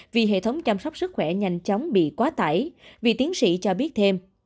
vì hệ thống chăm sóc sức khỏe nhanh chóng bị quá tải vì tiến sĩ cho biết thêm